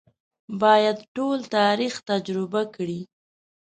باید ټول تاریخ تجربه کړي.